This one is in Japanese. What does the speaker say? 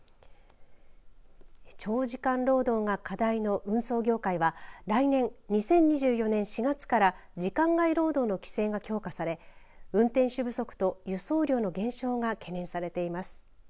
長時間労働が課題の運送業界は来年２０２４年４月から時間外労働の規制が強化され運転手不足と輸送量の減少が懸念されています。